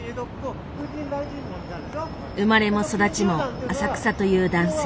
生まれも育ちも浅草という男性。